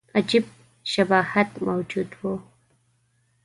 عجیب شباهت موجود وو.